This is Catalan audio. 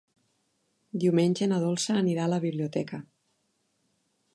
Diumenge na Dolça anirà a la biblioteca.